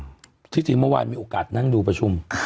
ที่จริงเมื่อวานมีโอกาสนั่งดูประชุม